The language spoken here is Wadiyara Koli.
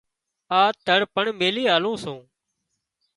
آ تۯ پڻ ميلي آلوون سون